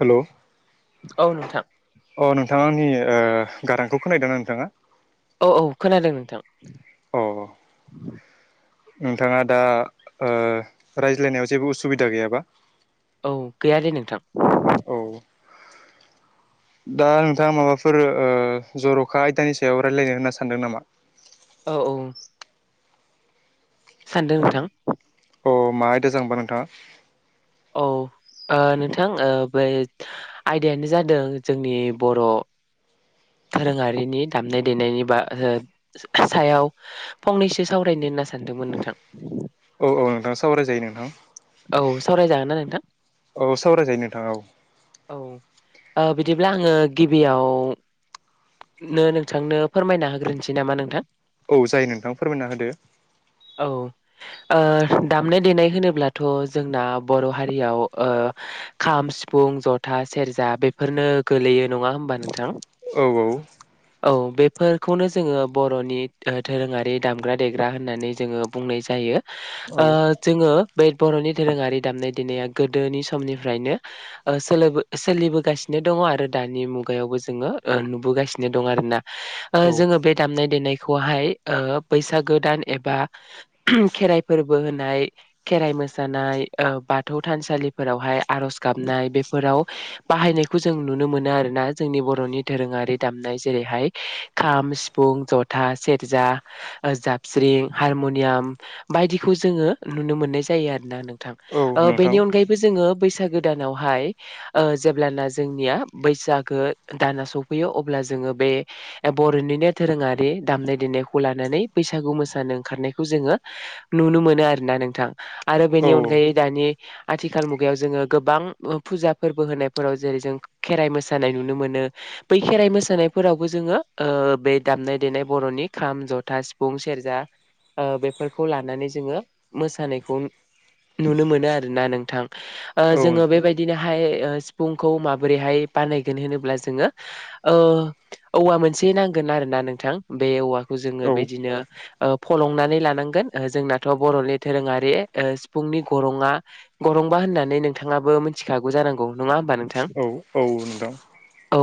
Hello औ नोंथां। अ नोंथाङा आंनि ओ गारांखौ खोनाहैदोंना नोंथाङा? औ औ खोनादों नोंथां अ नोंथाङा दा ओ रायज्लायनायाव जेबो उसुबिदा गैयाबा औ गैया दे नोंथां। औ [unintelligible] दा नोंथाङा माबाफोर ओ जर'खा आयदानि सायाव रायलायनो होनना सानदों नामा? औ औ सानदों नोंथां। अ मा आयदा जागोनबा नोंथां? औ ओ नोंथां ओ बे आयदायानो जादों जोंनि बर' दोरोङारिनि दामनाय देनायनि बागै हो सायाव फंनैसो सावरायनो होनना सान्दोंमोन नोंथां। औ औ नोंथां सावराय जायो नोंथां। सावरायजागोन ना नोंथां औ सावरायजायो नोंथाङा औ औ ओ बिदिब्ला आङो गिबियाव नो नोंथांनो फोरमायना होग्रोनोसै नामा नोंथां । औव जाय नोंथां फोरमायना होदो । औ ओ दामनाय देनाय होनोब्ला थ' जोंना बर' हारियाव ओ खाम सिफुं जथा सेरजा बेफोरनो गोलैयो नङा होनबा नोंथां । औ औ औ बेफोरखौनो जोङो बरनि दोरोङारि दामग्रा देग्रा होननानै जोङो बुंनाय जायो । ओ औ जोङो बै बरनि दोरोङारि दामनाय देनाया गोदोनि समनिफ्रायनो ओ सोलोबो सोलिबोगासिनो दङ आरो दानि मुगायावबो जोङो ओ नुबोगासिनो दं आरोना ओ औ जोङो बे दामनाय देनाय खौहाय बैसागो दान एबा खेराइ फोरबो होनाय खेराइ मोसानाय ओ बाथौ थानसालिफोरावहाय आरज गाबनाय बेफोराव बाहाय नायखौ जों नुनो मोनो आरोना जोंनि बरनि दोरोङारि दामनाय जेरैहाय खाम, सिफुं, ज था, सेरजा, ओ जाबस्रिं, हारमुनियाम बायदिखौ जोङो नुनो मोननाय जायो आरोना नोंथां, औ ओ नोंथां बेनि अनगायैबो जोङो बैसागो दानावहाय ओ जेब्लाना जोंनिया बैसागो दाना सफैयो अब्ला जोङो बे बरनिनो दोरोङारि दामनाय देनायखौ लानानै बैसागु मोसानो ओंखारनायखौ जोङो नुनो मोनो आरोना नों थां आरो औ बेनि अनगायै दानि आथिखाल मुगायाव जोङो गोबां फुजा फोरबो होनायफोराव जेरै जों खेराय मोसानाय नुनो मोनो बै खेराइ मोसानायफोरावबो जोङो ओ बे दामनाय देनाय बरनि खाम, जथा, सिफुं, सेरजा ओ बेफोरखौ लानानै जोङो मोसानायखौ नुनो मोनो आरोना नोंथां ओ औ जोङो नोंथां बेबायदिनोहाय ओ सिफुंखौ माबोरैहाय बानायगोन होनोब्ला जोङो ओ औवा मोनसे नांगोन आरो ना नोंथां बे औवा जोंनो औ बिदिनो ओ फलंनानै लोनांगोन ओ जोंनाथ बरनि धोरोङारि ओ सिफुंनि गरङा गरंबा होननानै नोंथाङाबो मिथिखागौ जानांगौ नङा होमबा नोंथां? औ नोंथां । औ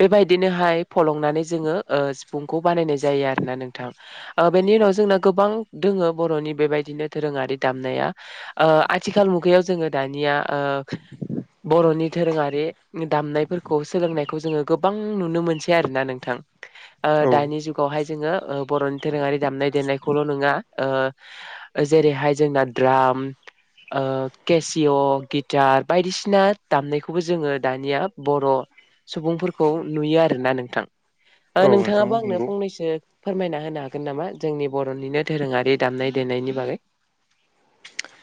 बेबायदिनोहाय फलंनानै जोङो ओ सिफुंखौ बानायनाय जायो आरो ना नोंथां । ओ बेनि उनाव जोंना गोबां दोङो बरनि बेबायदिनो दोरोङारि दामनाया ओ आथिखाल मुगायाव जोङो दानिया ओ बरनि धोरोङारि दामनायफोरखौ सोलोंनायखौ जोङो गोबां नुनो मोनसै आरोना नोंथां । ओ औ दानि जुगावहाय जोङो बरनि दोरोङारि दामनाय देनायखौल नोङा ओ जेरैहाय जोंना द्राम ओ केसिय, गिटार बायदिसिना दामनायखौबो जोङो दानिया बर सुबुंफोरखौ नुयो आरोना नोंथां । औ ओ नोंथां नोंथाङाबो आंनो नंगौ फंनैसो फोरमायना होनो हागोन नामा जोंनि बरनिनो धोरोङारि दामनाय देनायनि बागै ।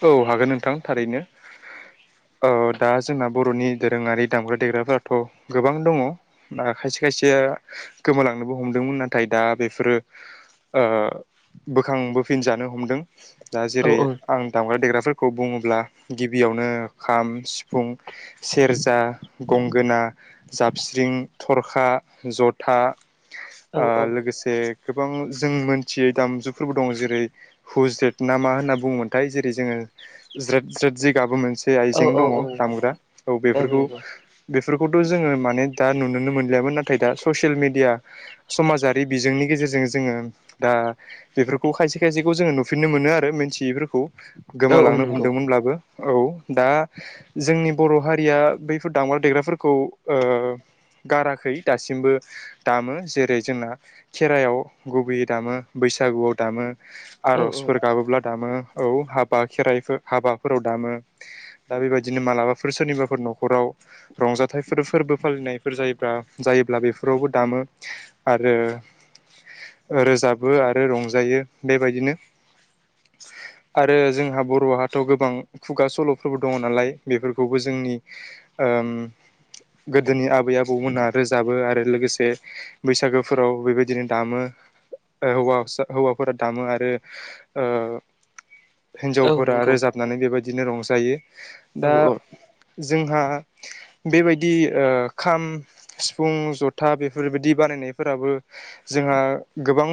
औ हागोन नोंथां थारैनो । औ दा जोंना बरनि दोरोङारि दामग्रा देग्राफोराथ गोबां दङ दा खाय से खायसेया गोमालांनोबो हमदोंमोन नाथाय दा बेफोरो ओ बोखांबोफिनजानो हमदों दा औ जेरै औ आं दामग्रा देग्राफोरखौ बुङोब्ला गिबियावनो खाम, सिफुं, सेरजा गंगोना, जाबस्रिं, थरखा, जथा औ ओ औ लोगोसे गोबां जों मोनथियै दामजुफोरबो दं जेरै हुज्रेट ना मा होनना बुंङो थाय जेरै जोङो ज्रेद ज्रेद जिगाबो मोन से औ आइजें औ दङ औ दामग्रा औ बेफोरखौ बे फोरखौथ जोङो माने दा नुनो मोनलियामोन नाथाय दा ससियेल मिडिया समाजारि बिजोंनि गेजेर जों जोङो दा बेफोरखौ खायसे खायसेखौ जों नुफिननो मोनो आरो मिन्थियिफोर खौ औ औ गोमालांनो नंगौ हमदोंमोनब्लाबो औ दा जोंनि बर हारिया बैफोर दामग्रा देग्राफोरखौ ओ गाराखै दासिमबो दामो जेरै जोंना खेरायाव गुबैयै दामो बै सागुआव दामो औ औ आरजफोर गाबोब्ला दामो। औ हाबा खेराइफोर हाबाफोराव दामो दा बेबायदिनो मालाबाफोर सोरनिबाफोर नखराव रंजाथाइफोर फोरबो फालिनायफोर जायोब्रा जायोब्ला बेफोरावबो दामो आरो रोजाबो आरो रंजायो बेबायदिनो आरो जोंहा बर'हाथ' गोबां खुगा सल'फोरबो दङ नालाय बेफोरखौबो जोंनि ओम गोदोनि आबै आबौमोनहा रोजाबो आरो लोगोसे बैसागोफोराव बेबायदिनो दामो। ओ हौवासा हौवाफोरा दामो आरो ओ औ हिनजावफोरा नंगौ रोजाबनानै बेबायदिनो रंजायो औ दा जोंहा बेबायदि ओ खाम सिफुं जथा बेफोरबायदि बानायनाय फोराबो जोंहा गोबां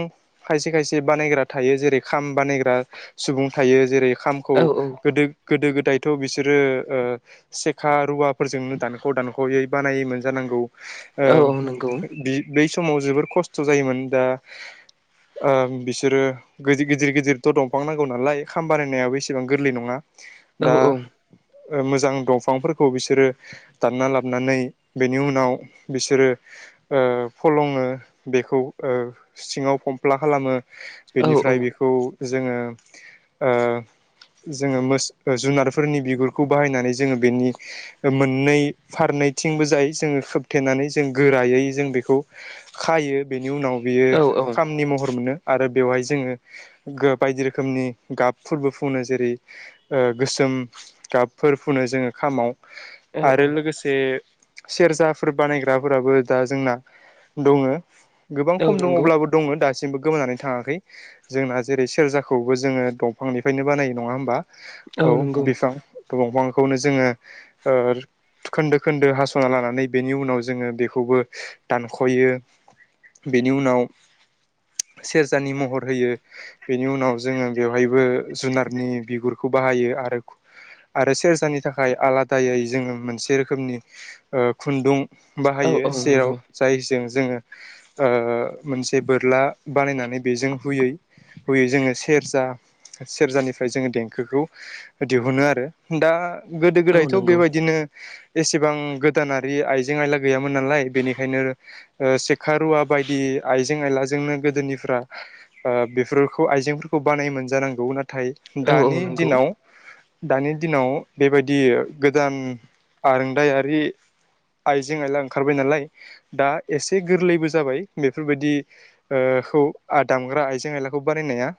खायसे खायसे बानायग्रा थायो जेरै खाम बानायग्रा सुबुं थायो जेरै खामखौ औ गोदो गोदो गोदायथ' बिसोरो ओ सेखा रुवाफोरजोंनो दानख' दानख'यै बानायोमोन जानांगौ। ओ औ औ नंगौ बि बै समाव जोबोर खस्थ' जायोमोन दा आ बिसोरो गिदिर गिदिरथ' दं फां नांगौ नालाय खाम बानायनायाो एसेबां गोरलै नङा। औ दा औ ओ मोजां दंफांफोरखौ बिसोरो दानना लाबनानै बेनि उनाव बिसोरो ओ फलङो बेखौ ओ सिङाव फमफ्ला खालामो। बेनिफ्राय बेखौ जोङो ओ जोङो मो जुनारफोरनि बिगुरखौ बाहायनानै जोङो बेनि मोननै फार नैथिंबो जाय जोङो खोबथेनानै जों गोरायै जों बेखौ खायो बेनि उनाव बियो औ खामनि महर मोनो आरो बेवहाय जोङो बायदि रो खोमनि गाबफोरबो फुनो जेरै ओ गोसोम गाबफोर फुनो जोङो खामाव। औ आरो लोगोसे सेरजाफोर बानायग्राफोराबो दा जोंना दङो। गोबां औ खम दङ नंगौ अब्लाबो दङ दासिमबो गोमानानै थाङाखै जोंना जेरै सेरजा खौबो जोङो दंफांनिफायनो बानायो नङा होमबा औ बिफां। दंफांखौनो जोङो ओ खोन्दो खोन्दो हास'ना लानानै बेनि उनाव जोङो बेखौबो दानख'यो। बेनि उनाव सेरजानि महर होयो बेनि उनाव जोङो बेवहायबो जुनारनि बिगुरखौ बाहायो आरो आरो सेरजानि थाखाय आलादायै जोङो मोनसे रोखोमनि ओ खुन्दुं औ बाहायो औ सेराव नंगौ जाय जों जों जोङो मोनसे बोरला बानायनानै बेजों हुयै हुयै जोंङो सेरजा सेरजानिफ्राय जोङो देंखोखौ दिहुनो आरो दा गोदो औ गोदायथ' नंगौ बेबायदिनो एसेबां गोदानारि आइजें आयला गैयामोन नालाय बेनिखायनो ओ सेखा रुवा बायदि आइजें आइलाजोंनो गोदोनिफोरा ओ बेफोरखौ आइजें खौ बानाय मोनजानांगौ नाथाय औ औ दानि नंगौ दिनाव दानि दिनाव बेबायदि गोदान आरोंदायारि आइजें आइला ओंखारबाय नालाय दा एसे गोरलैबो जाबाय बेफोरबायदि ओ खौ आं दामग्रा आइजें आयलाखौ बानायनाया।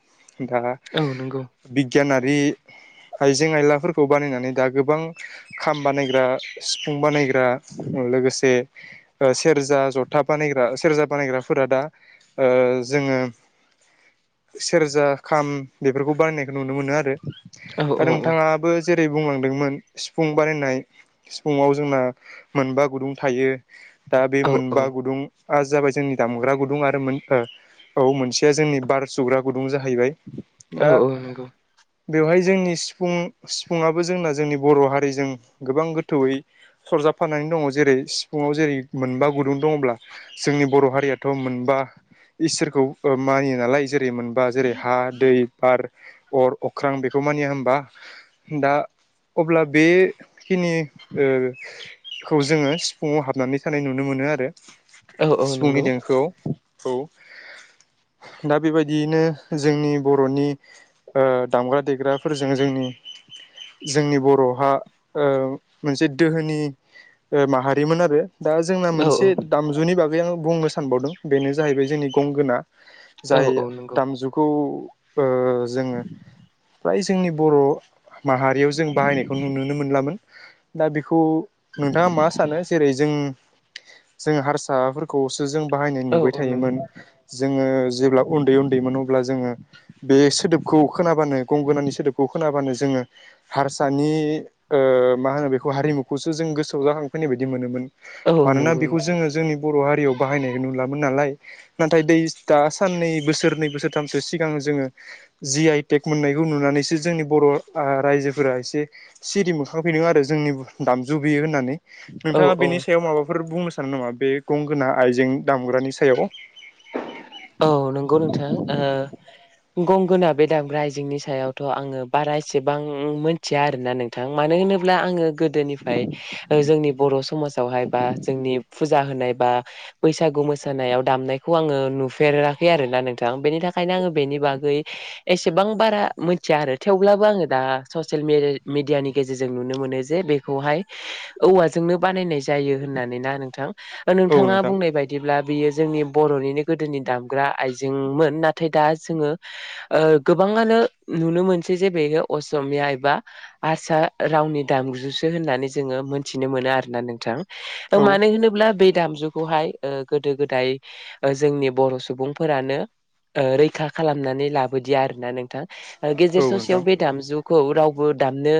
दा औ नंगौ बिगियानारि आइजें आइलाफोरखौ बानायनानै दा गोबां खाम बानायग्रा सिफुं बानायग्रा उम लोगोसे ओ सेरजा जथा बानायग्रा सेरजा बानायग्राफोरा दा ओ जोङो सेरजा खाम बेफोरखौ बानायनायखौ नुनो मोनो आरो औ दा औ नोंथाङाबो जेरै बुंलांदोंमोन सिफुं बारायनाय सिफुंङाव जोंना मोनबा गुदुं थायो। दा बे औ मोनबा गुदुं आ जाबाय जोंनि दामग्रा गुदुं आरो मोन ओ औ मोनसेया जोंनि बार सुग्रा गुदुं जाहैबाय‌। औ औ नोंगौ। बेवहाय जोंनि सिफुं सिफुङाबो जोंना जोंनि बर' हारिजों गोबां गोथौयै सरजाबफानाय। दङ जेरै सिफुंआव जेरै मोनबा गुदुं दङब्ला जोंनि बर' हारियाथ' मोनबा इसोरखौ मानियो नालाय जेरै मोनबा जेरै हा, दै, बार अर, अख्रां बेखौ मानिया होनबा दा अब्ला बे बिखिनिखौ जोङो सिफुुंआव हाबनानै थानाय नुनो मोनो आरो। औ औ सिफुंनि नंगौ देंखोआव औ दा बेबायदियैनो जोंनि बर'नि दामग्रा देग्राफोरजों जोंनि जोंनि बर'हा मोनसे दोहोनि माहारिमोन आरो। दा जोंना औ मोनसे दामजुनि बागै आं बुंनो सानबावदों बेनो जाहैबाय जोंनि गंगोना। औ औ नंगौ। आगजुखौ जोङो फ्राय जोंनि बर' माहारियाव जों बाहायनायखौ नुुनो मोनलामोन दा बे नोंथाङा मा सानो जेरै जों जों हारसाफोरखौ जों बाहायनाय औ नुबाय औ नंगौ थायोमोन जों जेब्ला उन्दै अब्ला जोङो बे सोदोबखौ खोनाबानो गंगोनानि सोदोबखौ खोनाबानो जों हार हारसानि ओ मा होनो बेखौ हारिमुखौसो जों गोसोआव जाखांफैनाय बायदि मोनोमोन। औ मानोना नंगौ बेखौ नोंथां जोङो जोंनि बर' हारियाव बाहायनाय नुलामोन नालाय। नाथाय दै दा साननै बोसोर नै बोसोरथामसो सिगां जोङो जि आइ टेक मोननायखौ नुनानैसो जोंनि बर' रायजोफोरा एसे सिरि मोनखांफिनदों आरो जोंनि दामजु बियो होननानै। औ नोंथाङा औ बेनि सायाव माबाफोर बुंनो सानो नामा बे गंगोना आयजें दामग्रानि सायाव। ओं। गंगोना बे दामग्रा आइजेंनि सायावथ' आङो बारा एसेबां मोनथिया आरोना नोंथां मानो होनोबा। होनोब्ला आङो गोदोनिफ्राय जोंनि बर' समाजावहाय बा जोंनि फुजा होनाय बा बैसागु मोसानायाव दामनाय खौ आङो नुफेराखै आरोना नोंथां बेनि थाखायनो आङो बेनि बागै एसेबां बारा मोनथिया आरो थेवब्लाबो आङो दा ससियेल मेडियानि गेजेरजों नुनो मोनो जे बेखौहाय। औवाजोंनो बानायनाय जायो होननानै ना नोंथां औ नोंथाङा नोंथां बुंनाय बायदिब्ला बियो जोंनि बर'निनो गोदोनि दामग्रा आइजेंमोन नाथाय दा जोङो गोबाङानो। नुनो मोनसै जे बे असमिया एबा हारसा रावनि दामजुसो होननानै जोङो। मोनथिनो मोनो आरोना नोंथां औ मानो होनोब्ला बे दामजुखौहाय ओ गोदो गोदाय जोंनि बर' सुबुंफोरानो ओ रैखा खालामनानै लाबोदिया आरोना नों नोंथां गेजेर औ नोंथां ससेयाव बे दामजु। रावबो दामनो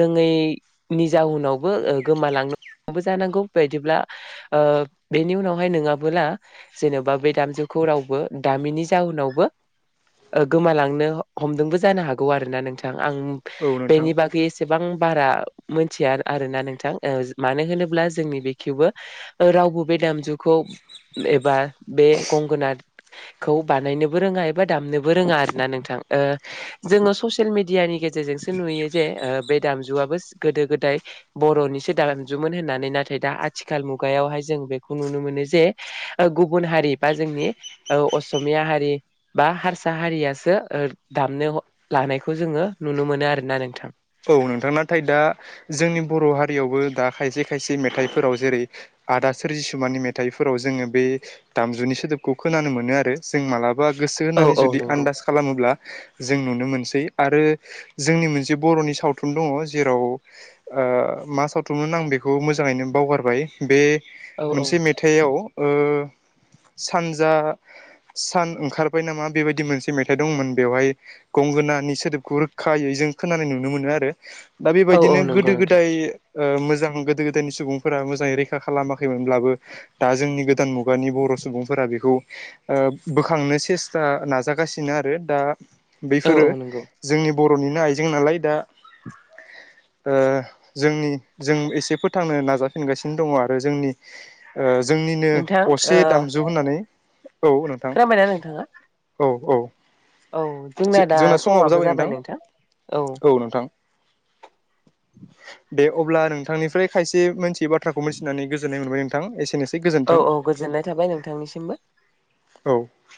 रोङैनि जाहोनावबो गोमालांनो जानांगौ बायदिब्ला बेनि उनावहाय नङाबोला जेन'बा बे दामजुखौ रावबो दामिनि जाऊनावबो गोमालांनो हमदोंबो जानो हागौ आरोना नोंथां। आं औ नोंथां बेनि बागै एसेबां बारा मोनथिया आरोना नोंथां मानो होनोब्ला जोंनि बेखेवखौबो रावबो बे दामजुखौ। एबा बे गंगोना। खौ बानायनोबो रोङा एबा दामनोबो रोङा आरोना नोंथां ओ जोङो ससियेल मिडियानि गेजेराव। गेजेरजोंसो नुयो जे। बे दामजुआबो गोदो गोदाय बर'निसो दामजुमोन होननानै नाथाय दा आथिखाल मुगायावहाय। जों बेखौ नुनो मोनो जे। गुबुन हारि बा जोंनि असमिया हारि बा हारसा हारियासो। दामनो लानायखौ जोङो नुनो मोनो आरोना नोंथां। औ नोंथां नाथाय दा जोंनि बर' हारियावबो दा खायसे खायसे मेथाइफोराव जेरै आदा सोरजिसुमानि मेथाइफोराव जोङो बे दामजुनि सोदोबखौ खोनानो मोनो आरो जों मालाबा। बा गोसो औ होननानै औ जुदि नंगौ आन्दास खालामोब्ला जों नुनो मोनसै आरो जोंनि मोनसे बर'नि सावथुन दङ जेराव मा सावथुनमोन आं बेखौ मोजाङैनो बावगारबाय बे। औ औ मोनसे मेथाइआव ओ सानजा सान ओंखारबाय नामा बेबायदि मोनसे मेथाइ दंमोन बेवहाय गंगोनानि सोदोबखौ रोखायै जों खोनानाय नुनो मोनो आरो दा औ औ बेबायदिनो नंगौ गोदो नोंथां गोदाय। ओ मोजां गोदो गोदायनि सुबुंफोरा मोजाङै रैखा खालामाखैमोनब्लाबो दा जोंनि गोदान मुगानि बर सुबुंफोरा बेखौ ओ बोखांनो सेस्था नाजागासिनो आरो दा औ बैफोरो औ नंगौ जोंनि बरनिनो आइजें नालाय दा। ओ जोंनि जों एसे फोथांनो नाजाफिनगासिनो दङ आरो जोंनि ओ जोंनिनो नोंथां असे ओ दामजु होननानै औ नोंथां खोनाबायना नोंथाङा औ औ। औ जोंना दा समाबो जाबाय नोंथां। औ नोंथां। दे अब्ला नोंथांनिफ्राय खायसे मोनथियै बाथ्राखौ मिथिनानै गोजोननाय मोनबाय नोंथां एसेनोसै । औ औ गोजोननाय थाबाय नोंथांनिसिमबो। औ